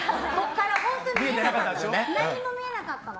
本当に何も見えなかったの。